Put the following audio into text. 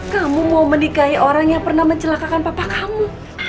kamu mau menikahi orang yang pernah mencelakakan papa kamu